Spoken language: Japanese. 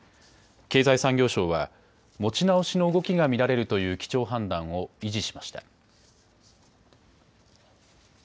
経済産業省は、持ち直しの動きが見られるという基調判断を維持しました。